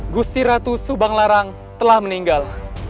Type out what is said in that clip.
gusti ratu subanglarang telah meninggal